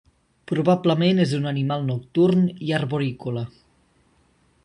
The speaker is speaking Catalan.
Probablement és un animal nocturn i arborícola.